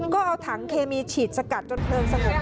ก็เอาถังเคมีฉีดสกัดจนเพลิงสงบ